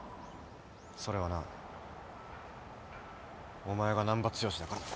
それはなお前が難破剛だからだ。